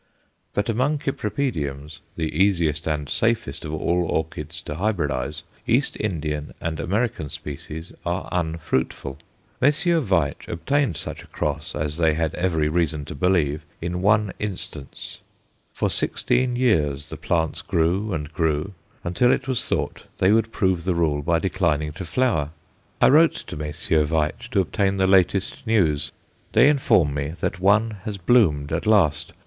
But among Cypripediums, the easiest and safest of all orchids to hybridize, East Indian and American species are unfruitful. Messrs. Veitch obtained such a cross, as they had every reason to believe, in one instance. For sixteen years the plants grew and grew until it was thought they would prove the rule by declining to flower. I wrote to Messrs. Veitch to obtain the latest news. They inform me that one has bloomed at last.